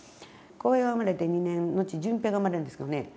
幸平が生まれて２年のち順平が生まれるんですけどね。